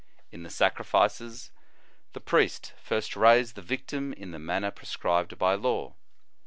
In the sacrifices, the priest first raised the victim in the manner prescribed by law.